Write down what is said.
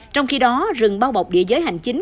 trong khi đó rừng bao bọc địa giới hành chính